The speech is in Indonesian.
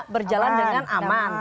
berjalan dengan aman